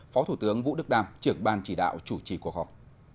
phó thủ tướng vũ đức đam trưởng ban chỉ đạo chủ trì cuộc họp